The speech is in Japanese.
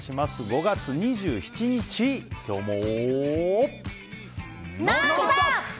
５月２７日、今日も。